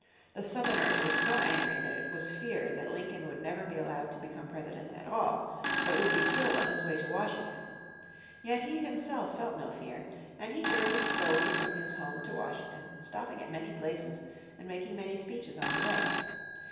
The Southerners were so angry that it was feared that Lincoln would never be allowed to become President at all, but would be killed on his way to Washington. Yet he himself felt no fear, and he journeyed slowly from his home to Washington, stopping at many places, and making many speeches on the way.